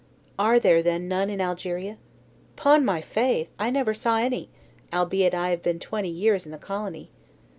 "Are there, then, none in Algeria?" "'Pon my faith, I never saw any, albeit I have been twenty years in the colony.